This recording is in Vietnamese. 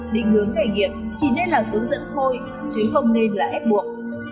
định hướng kể nghiệp chỉ nên là tướng dẫn thôi chứ không nên là ép buộc